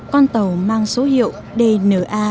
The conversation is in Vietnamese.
con tàu mang số hiệu